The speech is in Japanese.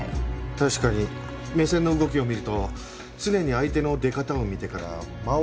確かに目線の動きを見ると常に相手の出方を見てから間を空けずに発言してますね。